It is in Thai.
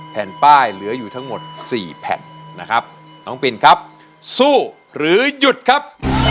แผ่นป้ายเหลืออยู่ทั้งหมดสี่แผ่นนะครับน้องปินครับสู้หรือหยุดครับ